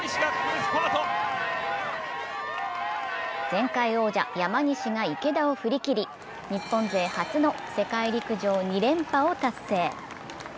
前回王者・山西が池田を振り切り、日本勢初の世界陸上２連覇を達成。